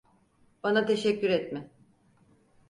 Bana teşekkür etme.